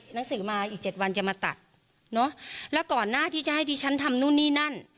หนังสือมาอีกเจ็ดวันจะมาตัดเนอะแล้วก่อนหน้าที่จะให้ดิฉันทำนู่นนี่นั่น